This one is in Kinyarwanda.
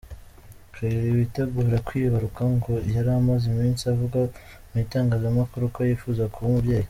Kylie witegura kwibaruka ngo yari amaze iminsi avuga mu itangazamakuru ko yifuza kuba umubyeyi.